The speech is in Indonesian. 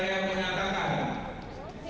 saya siap maju menjadi ketua umum partai golkar